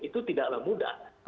itu tidaklah mudah